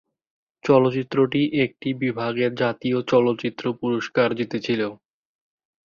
চলচ্চিত্রটি একটি বিভাগে জাতীয় চলচ্চিত্র পুরস্কার জিতেছিল।